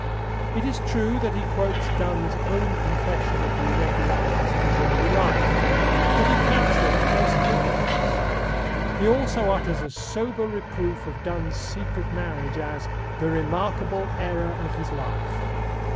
It is true that he quotes Donne's own confession of the irregularities of his early life. But he counts them of no significance. He also utters a sober reproof of Donne's secret marriage as "the remarkable error of his life."